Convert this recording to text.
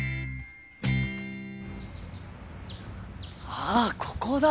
あっここだ！